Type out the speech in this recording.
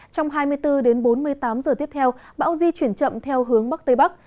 trong hai mươi bốn đến bốn mươi tám giờ tiếp theo bão di chuyển chậm theo hướng bắc tây bắc